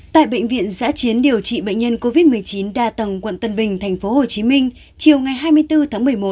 tại bệnh viện giã chiến điều trị bệnh nhân covid một mươi chín đa tầng quận tân bình tp hcm chiều ngày hai mươi bốn tháng một mươi một